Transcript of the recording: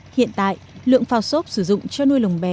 hiện tại lượng phao xốp sử dụng cho nuôi lồng bè